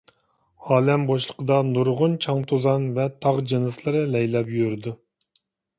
ئالەم بوشلۇقىدا نۇرغۇن چاڭ-توزان ۋە تاغ جىنسلىرى لەيلەپ يۈرىدۇ.